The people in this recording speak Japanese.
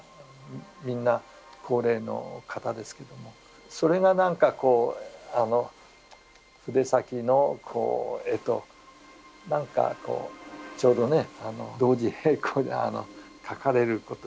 みんな高齢の方ですけどもそれがなんかこう筆先の絵となんかこうちょうどね同時並行で描かれること。